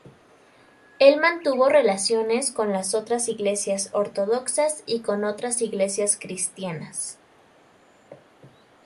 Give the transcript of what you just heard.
Él mantuvo relaciones con las otras iglesias ortodoxas y con otras iglesias cristianas.